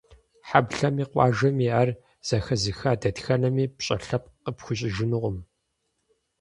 Хьэблэми, къуажэми, ар зэхэзыха дэтхэнэми пщӀэ лъэпкъ къыпхуищӀыжынукъым.